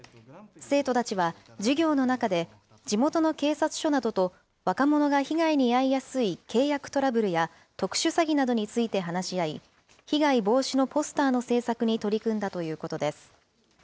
生徒たちは授業の中で、地元の警察署などと若者が被害に遭いやすい契約トラブルや特殊詐欺などについて話し合い、被害防止のポスターの制作に取り組んだということです。